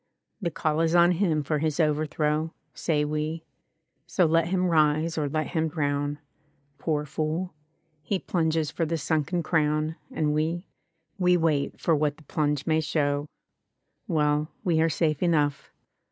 The call is on him for his overthrow, Say we; so let him rise, or let him drown. Poor fool I He plunges for the sunken crown, And we — ^we wait for what the plunge may show. |87| H Well, we are safe enough.